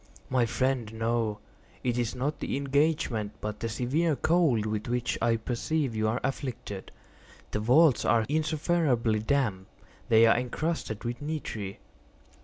"My friend, no. It is not the engagement, but the severe cold with which I perceive you are afflicted. The vaults are insufferably damp. They are encrusted with nitre."